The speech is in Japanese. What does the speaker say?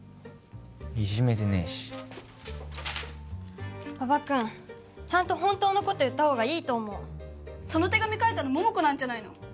いじめてねえし馬場君ちゃんと本当のこと言った方がいいと思うその手紙書いたの桃子なんじゃないの？